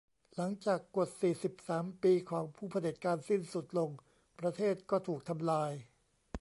หลังจากกฎสี่สิบสามปีของผู้เผด็จการสิ้นสุดลง ประเทศก็ถูกทำลาย